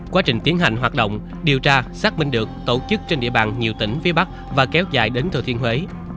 quá trình tiến hành hoạt động điều tra xác minh được tổ chức trên địa bàn nhiều tỉnh phía bắc và kéo dài đến thừa thiên huế